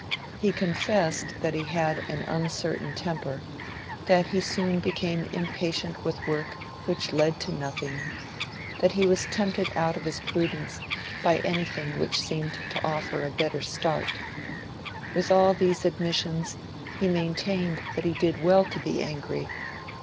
He confessed that he had an uncertain temper, that he soon became impatient with work 'which led to nothing,' that he was tempted out of his prudence by anything which seemed to offer 'a better start.' With all these admissions, he maintained that he did well to be angry.